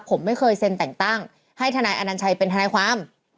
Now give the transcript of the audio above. ผมไม่เคยเซ็นแต่งตั้งให้ทนายอนัญชัยเป็นทนายความ